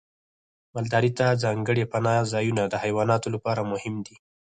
مالدارۍ ته ځانګړي پناه ځایونه د حیواناتو لپاره مهم دي.